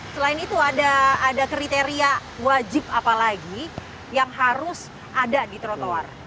selain itu ada kriteria wajib apa lagi yang harus ada di trotoar